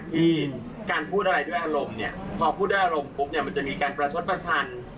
ที่การพูดอะไรด้วยอารมณ์เนี่ยพอพูดด้วยอารมณ์ปุ๊บเนี่ยมันจะมีการประชดประชัน